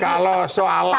kalau soal angka